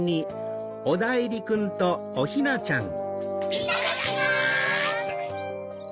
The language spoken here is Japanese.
いただきます！